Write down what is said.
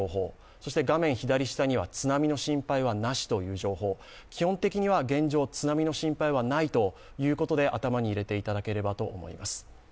そして画面左下には津波の心配なしという情報、基本的には現状、津波の心配はないということで頭に入れていただければと思います。